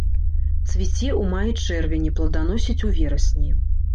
Цвіце ў маі-чэрвені, плоданасіць у верасні.